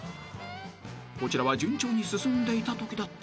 ［こちらは順調に進んでいたときだった］